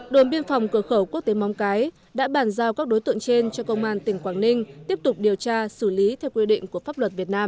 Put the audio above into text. đồn biên phòng cửa khẩu quốc tế móng cái đã bàn giao các đối tượng trên cho công an tỉnh quảng ninh tiếp tục điều tra xử lý theo quy định của pháp luật việt nam